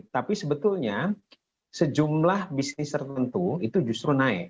tapi sebetulnya sejumlah bisnis tertentu itu justru naik